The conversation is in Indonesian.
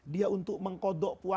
dia untuk mengambil alat yang lebih dekat